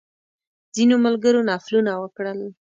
ځینو ملګرو نفلونه وکړل.